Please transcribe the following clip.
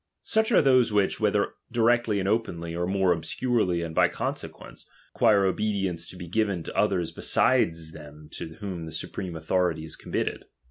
Such are those which, whether directly and openly, or more obscurely and by conse quence, require obedience to be given to others beside them to ifbotti the supreme authority is committed.